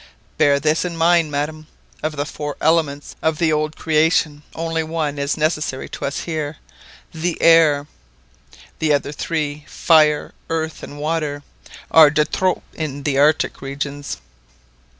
Bear this in mind, madam: of the four elements of the old creation, only one is necessary to us here, the air; the other three, fire, earth, and water, are de trop in the Arctic regions."